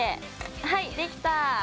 はいできた。